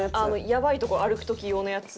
やばいとこ歩く時用のやつ。